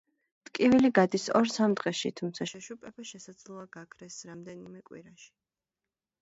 ტკივილი გადის ორ-სამ დღეში, თმცა შეშუპება შესაძლოა გაქრეს რამდენიმე კვირაში.